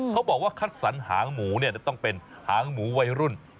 เขาบอกว่าคัดสรรหางหมูเนี่ยจะต้องเป็นหางหมูวัยรุ่น